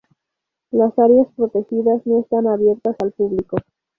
Las áreas protegidas no están abiertas al público.